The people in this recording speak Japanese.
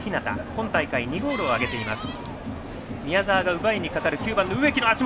今大会、２ゴールを挙げています。